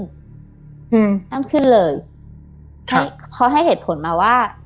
อืมอ้ำขึ้นเลยให้เขาให้เหตุผลมาว่า